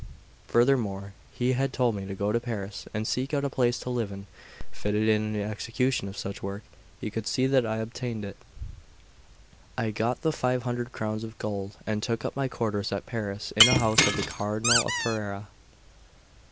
Furthermore, he told me to go to Paris and seek out a place to live in, fitted for the execution of such work; he would see that I obtained it. I got the five hundred crowns of gold, and took up my quarters at Paris in a house of the Cardinal of Ferrera.